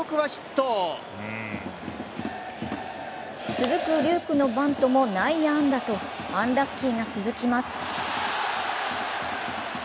続く龍空のバントも内野安打と、アンラッキーが続きます。